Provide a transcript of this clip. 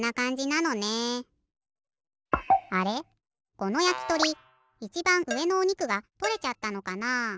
このやきとりいちばんうえのおにくがとれちゃったのかな？